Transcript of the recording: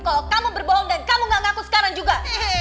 kalau kamu berbohong dan kamu gak ngaku sekarang juga